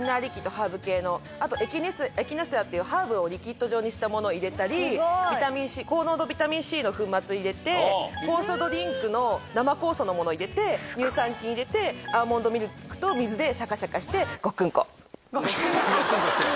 ハーブ系のあとエキナセアっていうハーブをリキッド状にしたもの入れたり高濃度ビタミンＣの粉末入れて酵素ドリンクの生酵素のもの入れて乳酸菌入れてアーモンドミルクと水でシャカシャカして。